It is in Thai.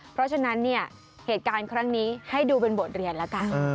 เพราะฉะนั้นเนี่ยเหตุการณ์ครั้งนี้ให้ดูเป็นบทเรียนแล้วกัน